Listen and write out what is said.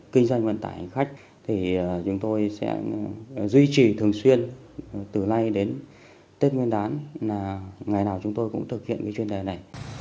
kinh doanh vận tải hành khách thì chúng tôi sẽ duy trì thường xuyên từ nay đến tết nguyên đán là ngày nào chúng tôi cũng thực hiện cái chuyên đề này